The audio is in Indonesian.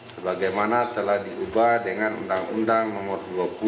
sebagaimana telah diubah dengan undang undang nomor dua puluh